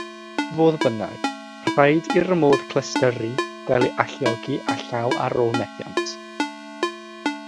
Fodd bynnag, rhaid i'r modd clystyru gael ei alluogi â llaw ar ôl methiant.